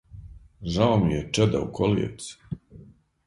Жао му је чеда у колијевци,